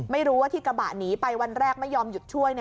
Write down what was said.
ไม่รู้ว่าที่กระบะหนีไปวันแรกไม่ยอมหยุดช่วย